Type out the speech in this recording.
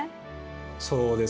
そうですね。